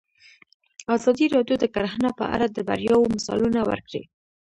ازادي راډیو د کرهنه په اړه د بریاوو مثالونه ورکړي.